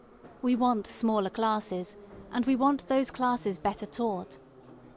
We want smaller classes, and we want those classes better taught.